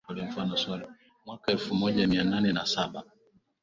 Mwaka elfu moja mia nane na saba